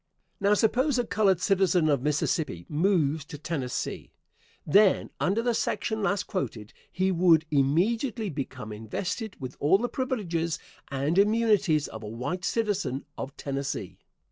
Now, suppose a colored citizen of Mississippi moves to Tennessee. Then, under the section last quoted, he would immediately become invested with all the privileges and immunities of a white citizen of Tennessee.